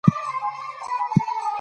هګۍ د نوکانو لپاره ګټوره ده.